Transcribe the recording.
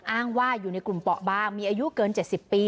อ้างว่าอยู่ในกลุ่มเปาะบางมีอายุเกิน๗๐ปี